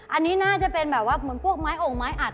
อันนี้น่าจะเป็นแบบว่าเหมือนพวกไม้โอ่งไม้อัด